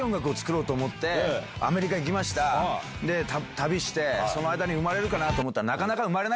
旅して生まれるかな？と思ったら。